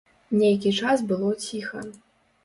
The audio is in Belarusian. Нейкі час было ціха.